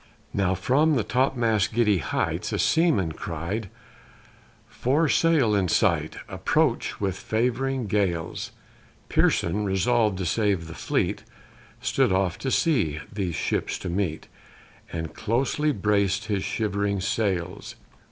Now from the top mast's giddy height A seaman cry'd "Four sail in sight Approach with favoring gales." Pearson, resolv'd to save the fleet, Stood off to sea, these ships to meet, And closely brac'd his shivering sails.